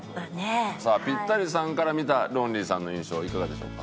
さあピッタリさんから見たロンリーさんの印象いかがでしょうか？